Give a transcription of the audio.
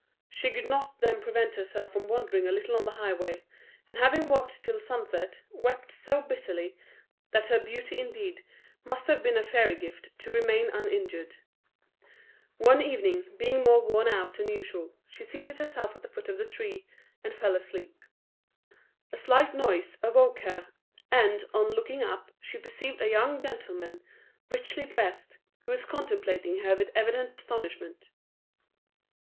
She could not then prevent herself from wandering a little on the highway; and having walked till sunset, wept so bitterly, that her beauty indeed must have been a fairy gift to remain uninjured. One evening, being more worn out than usual, she seated herself at the foot of a tree and fell asleep. A slight noise awoke her, and, on looking up, she perceived a young gentleman richly dressed, who was contemplating her with evident astonishment.